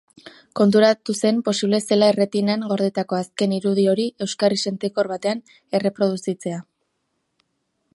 Konturatu zen posible zela erretinan gordetako azken irudi hori euskarri sentikor batean erreproduzitzea.